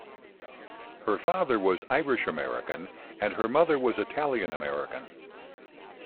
Her father was Irish American and her mother was Italian American.